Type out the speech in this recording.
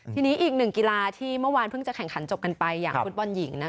ทีนี้อีกหนึ่งกีฬาที่เมื่อวานเพิ่งจะแข่งขันจบกันไปอย่างฟุตบอลหญิง